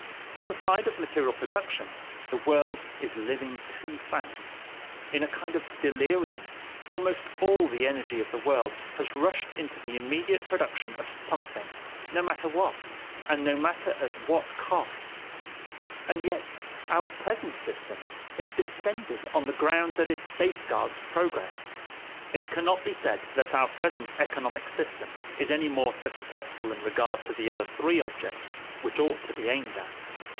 On the side of material production, the world is living too fast; in a kind of delirium, almost all the energy of the world has rushed into the immediate production of something, no matter what, and no matter at what cost. And yet our present system is defended on the ground that it safeguards progress! It cannot be said that our present economic system is any more successful in regard to the other three objects which ought to be aimed at.